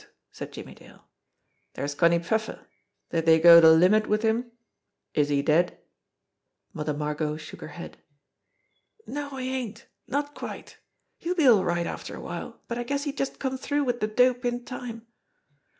said Jimmie Dale. "There's Connie Pfeffer. Did they go the limit with him? Is he dead?" Mother Margot shook her head. "No, he ain't not quite. He'll be all right after a while, but I guess he just come through wid de dope in time.